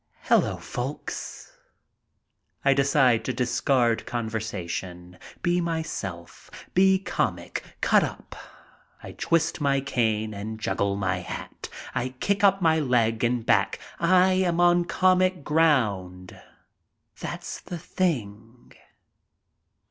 "Hello, folks!" I decide to discard conversation. Be myself. Be comic. Cut up. I twist my cane and juggle my hat. I kick up my leg in back. I am on comic ground. That's the thing.